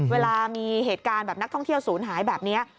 เวลามีเหตุการณ์แบบนักท่องเที่ยวศูนย์หายแบบนี้